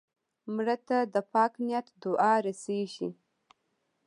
مړه ته د پاک نیت دعا رسېږي